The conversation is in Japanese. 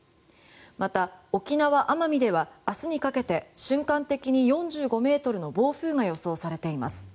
また沖縄、奄美では明日にかけて瞬間的に４５メートルの暴風が予想されています。